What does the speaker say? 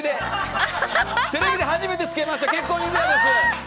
テレビで初めて着けました結婚指輪です。